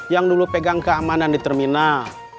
yang dulu pegang keamanan di terminal